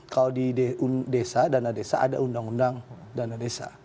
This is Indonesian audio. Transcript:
kalau di desa dana desa ada undang undang dana desa